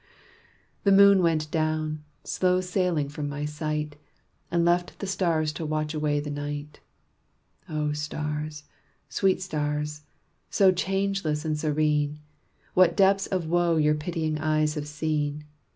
The moon went down, slow sailing from my sight, And left the stars to watch away the night. O stars, sweet stars, so changeless and serene! What depths of woe your pitying eyes have seen!